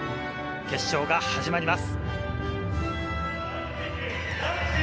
決勝が始まります。